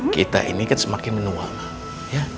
kita ini kan semakin menua